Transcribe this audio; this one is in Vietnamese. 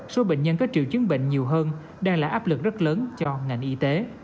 số bệnh nhân có triệu chứng bệnh nhiều hơn đang là áp lực rất lớn cho ngành y tế